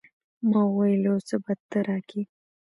ما وويل يو څه به ته راکې.